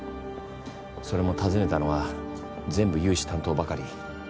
それも訪ねたのは全部融資担当ばかり。